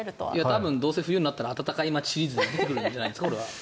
多分どうせ冬になったら暖かい街シリーズ出てくるんじゃないですか？